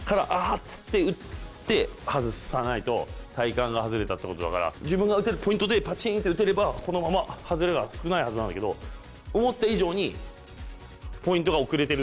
打って外さないと体幹が外れたってことだから自分が打てるポイントでパチンと打てればこのまま外れが少ないはずなんだけど、思った以上にポイントが遅れてる。